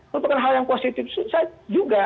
merupakan hal yang positif saya juga